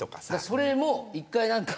それも一回何か。